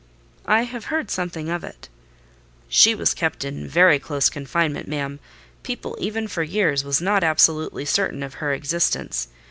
"I have heard something of it." "She was kept in very close confinement, ma'am; people even for some years was not absolutely certain of her existence.